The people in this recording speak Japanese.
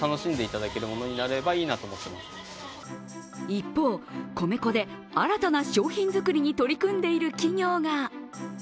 一方、米粉で新たな商品作りに取り組んでいる企業が。